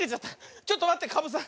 ちょっとまってかぶさん！